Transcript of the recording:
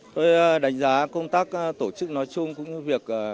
tôi đánh giá công tác tổ chức nói chung cũng như việc